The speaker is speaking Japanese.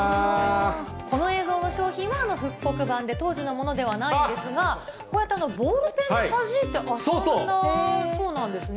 この映像の商品は、復刻版で当時のものではないんですが、こうやってボールペンではじいて遊んだそうなんですね。